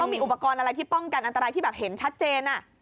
มีอุปกรณ์อะไรที่ป้องกันอันตรายที่แบบเห็นชัดเจน